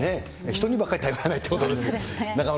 人にばっかり頼らないということですね。